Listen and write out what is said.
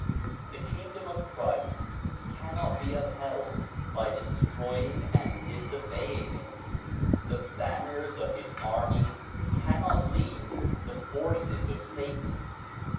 The kingdom of Christ cannot be upheld by destroying and disobeying it. The banners of his armies cannot lead the forces of satan.